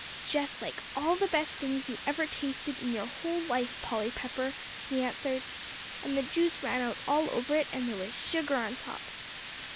"Just like all the best things you ever tasted in your life, Polly Pepper," he answered. "And the juice ran out all over it, and there was sugar on top."